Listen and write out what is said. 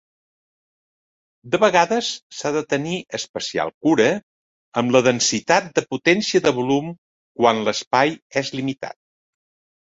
De vegades, s'ha de tenir especial cura amb la densitat de potència de volum quan l'espai és limitat.